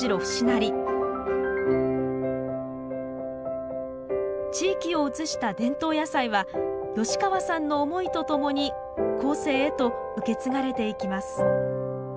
成地域を映した伝統野菜は吉川さんの思いとともに後世へと受け継がれていきます